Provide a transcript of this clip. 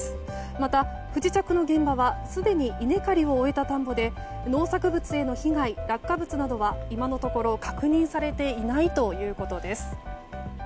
また不時着の現場はすでに稲刈りを終えた田んぼで農作物への被害、落下物などは今のところ確認されていないということです。